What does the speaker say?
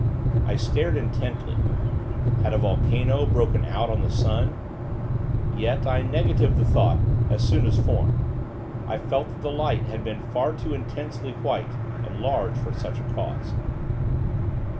I stared, intently. Had a volcano broken out on the sun? Yet, I negatived the thought, as soon as formed. I felt that the light had been far too intensely white, and large, for such a cause.